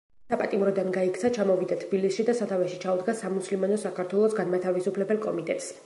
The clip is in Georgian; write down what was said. საპატიმროდან გაიქცა, ჩამოვიდა თბილისში და სათავეში ჩაუდგა „სამუსლიმანო საქართველოს განმათავისუფლებელ კომიტეტს“.